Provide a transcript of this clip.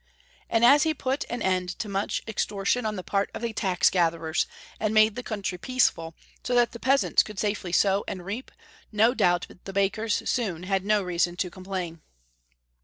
And as he put an end to much extortion on the part of the tax gatherers, and made the country peaceful, so that the peasants could safely sow and reap, no doubt the bakers soon had no reason to complain.